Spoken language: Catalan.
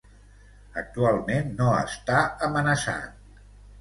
Actualment no està amenaçat.